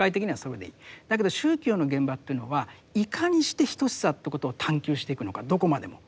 だけど宗教の現場というのはいかにして等しさということを探究していくのかどこまでも。